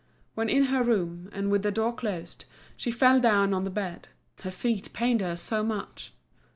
When in her room, and with the door closed, she fell down on the bed; her feet pained her so much.